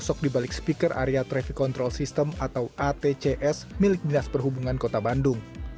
sosok dibalik speaker area traffic control system atau atcs milik dinas perhubungan kota bandung